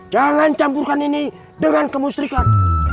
jangan campurkan ini dengan kemusrikat